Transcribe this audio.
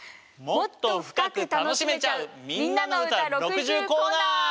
もっと深く楽しめちゃう「みんなのうた６０」コーナー！